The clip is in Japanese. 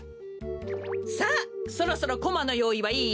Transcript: さあそろそろコマのよういはいい？